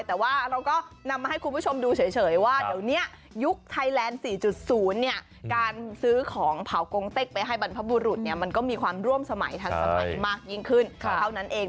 แต่ว่าเราก็นำมาให้คุณผู้ชมดูเฉยว่าเดี๋ยวนี้ยุคไทยแลนด์๔๐เนี่ยการซื้อของเผากงเต็กไปให้บรรพบุรุษเนี่ยมันก็มีความร่วมสมัยทันสมัยมากยิ่งขึ้นเท่านั้นเอง